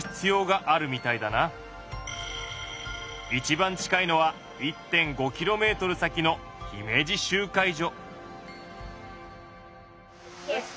一番近いのは１．５キロメートル先の姫路集会所。